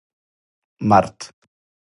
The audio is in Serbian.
март